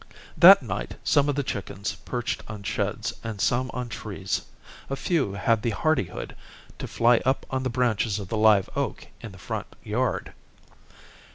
That night, some of the chickens perched on sheds, and some on trees. A few had the hardihood to fly up on the branches of the live oak in the front yard.